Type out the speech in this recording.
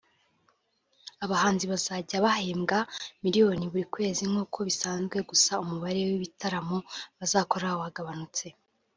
Aba bahanzi bazajya bahembwa miliyoni buri kwezi nk’uko bisanzwe gusa umubare w’ibitaramo bazakora wagabanutse